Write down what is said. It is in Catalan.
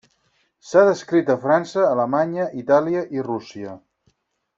S'ha descrit a França, Alemanya, Itàlia i Rússia.